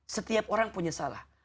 setiap orang punya salah